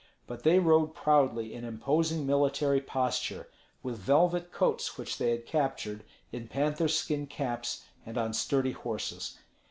But they rode proudly in imposing military posture, with velvet coats which they had captured, in panther skin caps, and on sturdy horses.